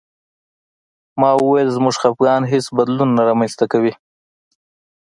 ما وویل زموږ خپګان هېڅ بدلون نه رامنځته کوي